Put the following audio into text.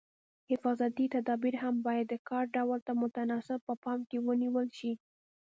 حفاظتي تدابیر هم باید د کار ډول ته متناسب په پام کې ونیول شي.